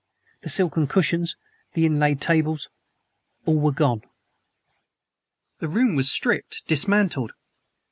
The silken cushions; the inlaid tables; all were gone. The room was stripped, dismantled.